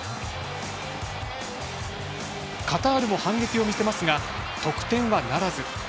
カタールも反撃を見せますが得点はならず。